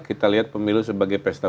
kita lihat pemilu sebagai pesta